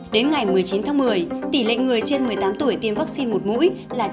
đến ngày một mươi chín tháng một mươi tỷ lệ người trên một mươi tám tuổi tiêm vaccine một mũi là chín mươi